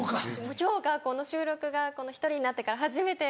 今日がこの収録が１人になってから初めてで。